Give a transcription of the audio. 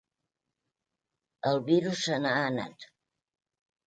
El virus se n’ha anat!